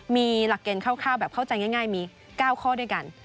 มีหลักเกณฑ์คร่าวแบบเข้าใจง่ายมี๙ข้อด้วยกัน